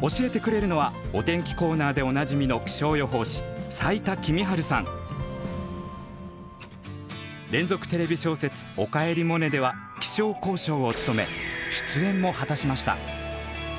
教えてくれるのはお天気コーナーでおなじみの連続テレビ小説「おかえりモネ」では気象考証を務め出演も果たしました。